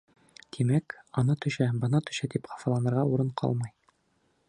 Тимәк, ана төшә, бына төшә, тип хафаланырға урын ҡалмай.